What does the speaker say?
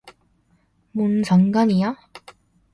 뭔 상관이야?